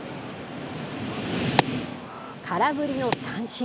空振りの三振。